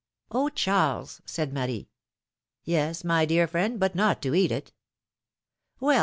Oh, Charles !" said Marie. Yes, my dear friend — but not to eat it !" Well!